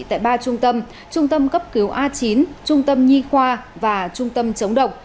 tại ba trung tâm trung tâm cấp cứu a chín trung tâm nhi khoa và trung tâm chống độc